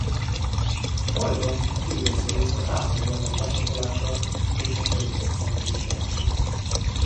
A fajra a fő veszélyt az árterületek lecsapolása és a környezetszennyezés jelenti.